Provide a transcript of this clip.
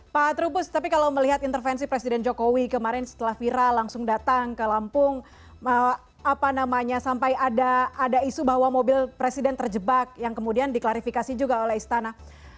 pak trubus tapi kalau melihat intervensi presiden jokowi kemarin setelah viral langsung datang ke lampung apa namanya sampai ada isu bahwa mobil presiden terjebak yang kemudian diklarifikasi juga oleh istana